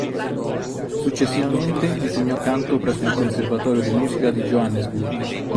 Successivamente insegnò canto presso il Conservatorio di Musica di Johannesburg.